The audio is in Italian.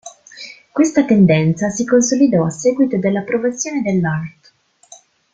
Questa tendenza si consolidò a seguito dell’approvazione dell’art.